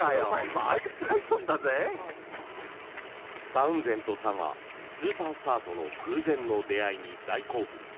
タウンゼントさんはスーパースターとの偶然の出会いに大興奮。